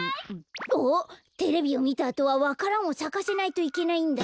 あっテレビをみたあとはわか蘭をさかせないといけないんだった。